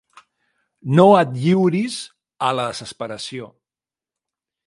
No et lliuris a la desesperació.